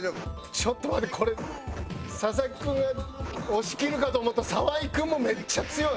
ちょっと待ってこれ佐々木君が押しきるかと思ったら澤井君もめっちゃ強い！